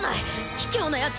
ひきょうなヤツ